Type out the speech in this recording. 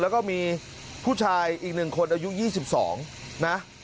แล้วก็มีผู้ชายอีก๑คนอายุ๒๒นะ